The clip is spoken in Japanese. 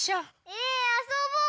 えあそぼうよ！